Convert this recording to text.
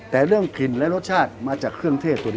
แต่เรื่องกลิ่นและรสชาติมาจากเครื่องเทศตัวนี้